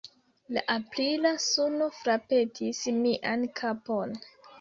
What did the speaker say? La aprila suno frapetis mian kapon.